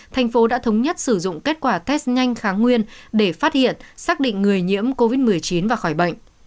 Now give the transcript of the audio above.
thành phố đã thống nhất sử dụng kết quả test nhanh kháng nguyên để phát hiện xác định người nhiễm covid một mươi chín và khỏi bệnh